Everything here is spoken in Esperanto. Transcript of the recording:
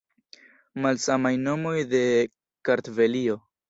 Malsamaj nomoj de Kartvelio.